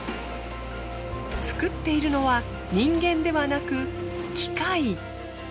作っているのは人間ではなく機械。